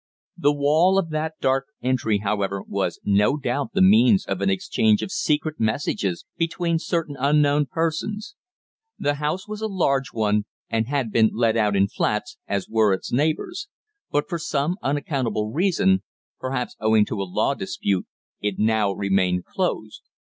The wall of that dark entry, however, was no doubt the means of an exchange of secret messages between certain unknown persons. The house was a large one, and had been let out in flats, as were its neighbours; but for some unaccountable reason perhaps owing to a law dispute it now remained closed.